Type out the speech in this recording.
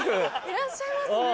いらっしゃいますね。